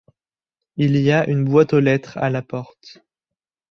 Il y a une boîte aux lettres à la porte.